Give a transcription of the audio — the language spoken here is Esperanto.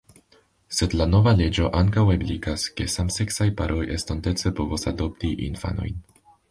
Sed la nova leĝo ankaŭ ebligas, ke samseksaj paroj estontece povos adopti infanojn.